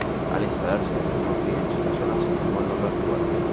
Al instalarse el fortín en la zona se formó el nombre actual.